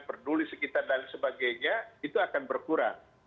peduli sekitar dan sebagainya itu akan berkurang